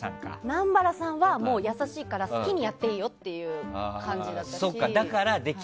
南原さんは優しいから好きにやっていいよっていう感じでした。